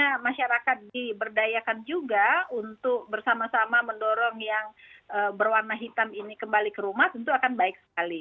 karena masyarakat diberdayakan juga untuk bersama sama mendorong yang berwarna hitam ini kembali ke rumah tentu akan baik sekali